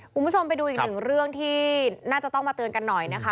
คุณผู้ชมไปดูอีกหนึ่งเรื่องที่น่าจะต้องมาเตือนกันหน่อยนะคะ